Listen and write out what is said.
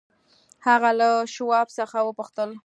هغه له شواب څخه وپوښتل.